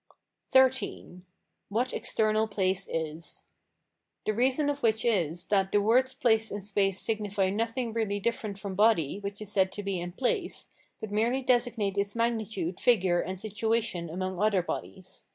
XIII. What external place is. The reason of which is, that the words place and space signify nothing really different from body which is said to be in place, but merely designate its magnitude, figure, and situation among other bodies.